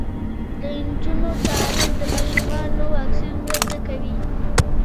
د نجونو تعلیم د ماشومانو واکسین مرسته کوي.